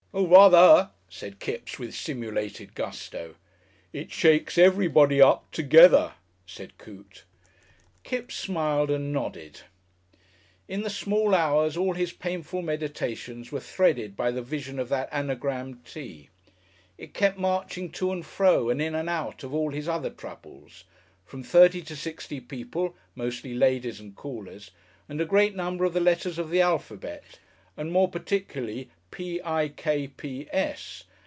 "Oo rather!" said Kipps, with simulated gusto. "It shakes everybody up together," said Coote. Kipps smiled and nodded.... In the small hours all his painful meditations were threaded by the vision of that Anagram Tea; it kept marching to and fro and in and out of all his other troubles, from thirty to sixty people, mostly ladies and callers, and a great number of the letters of the alphabet, and more particularly P. I.